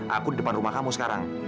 aku di depan rumah kamu sekarang